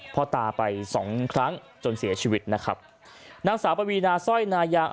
พ่อตาไปสองครั้งจนเสียชีวิตนะครับนางสาวปวีนาสร้อยนายา